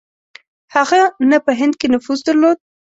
هغه نه په هند کې نفوذ درلود.